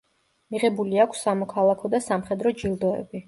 მიღებული აქვს სამოქალაქო და სამხედრო ჯილდოები.